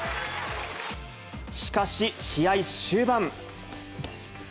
しかし、試合終盤。